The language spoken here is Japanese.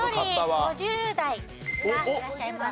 １人５０代がいらっしゃいます。